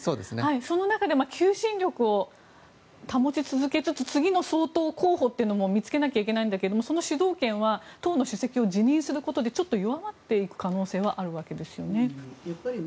その中で求心力を保ち続けつつ次の総統候補というのも見つけなければいけないんだけどもその主導権は党の主席を辞任することでちょっと弱まっていく可能性はあるわけですよね。